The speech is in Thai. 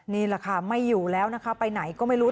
นี่แหละค่ะไม่อยู่แล้วนะคะไปไหนก็ไม่รู้